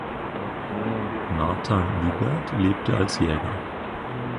Nathan Lyberth lebte als Jäger.